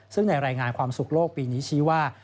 ซึ่งในรายงานความสุขโลกปีนี้ชี้ว่า